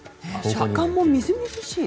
食感もみずみずしい。